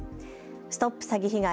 ＳＴＯＰ詐欺被害！